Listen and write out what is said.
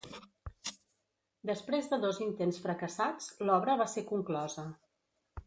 Després de dos intents fracassats, l'obra va ser conclosa.